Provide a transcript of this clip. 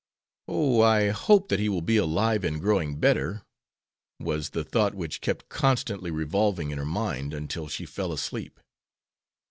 "Oh, I hope that he will be alive and growing better!" was the thought which kept constantly revolving in her mind, until she fell asleep.